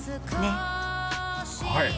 はい！